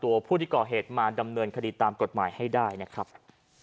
ในรถคันนึงเขาพุกอยู่ประมาณกี่โมงครับ๔๕นัท